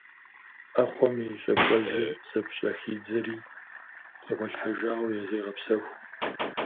Ӏэхъуэм и щӏакӏуэжьыр зыпщӏэхидзри тегъуэлъхьэжауэ зегъэпсэху.